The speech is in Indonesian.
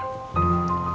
ceritanya panjang om